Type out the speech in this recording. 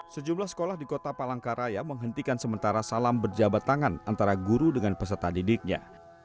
sejumlah sekolah di kota palangkaraya menghentikan sementara salam berjabat tangan antara guru dengan peserta didiknya